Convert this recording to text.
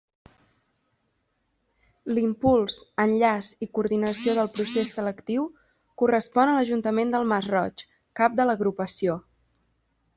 L'impuls, enllaç i coordinació del procés selectiu correspon a l'Ajuntament del Masroig, cap de l'Agrupació.